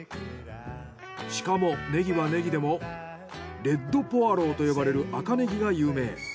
しかもネギはネギでもレッドポアローと呼ばれる赤ネギが有名。